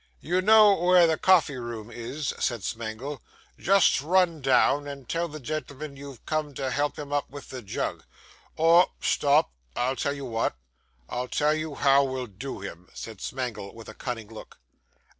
'You know where the coffee room is,' said Smangle; 'just run down, and tell that gentleman you've come to help him up with the jug. Or stop I'll tell you what I'll tell you how we'll do him,' said Smangle, with a cunning look.